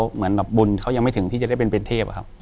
เหมือนบุญเขายังไม่ถึงที่จะได้เป็นเป็นเทพครับ